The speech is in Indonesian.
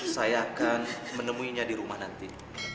saya akan menemuinya di rumah nanti